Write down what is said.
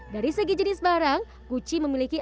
dari segi jenis barang guci memiliki